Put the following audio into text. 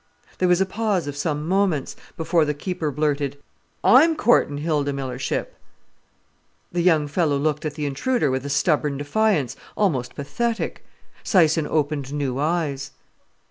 There was a pause of some moments, before the keeper blurted: "I'm courtin' Hilda Millership." The young fellow looked at the intruder with a stubborn defiance, almost pathetic. Syson opened new eyes.